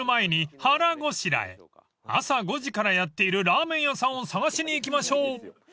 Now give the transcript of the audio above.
［朝５時からやっているラーメン屋さんを探しに行きましょう］